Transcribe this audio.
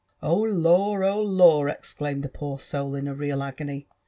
'*0h Lor I oh LorT' exclaimed the poor soul in a real agony.